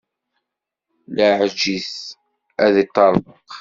Laɛej it, ad iṭṭerḍeq.